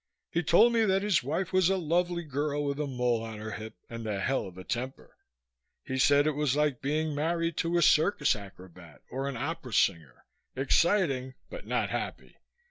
"He told me that his wife was a lovely girl with a mole on her hip and the hell of a temper. He said it was like being married to a circus acrobat or an opera singer exciting but not happy.